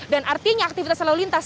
dan artinya aktivitas lalu lintas